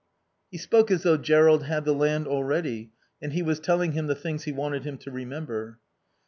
He spoke as though Jerrold had the land already and he was telling him the things he wanted him to remember.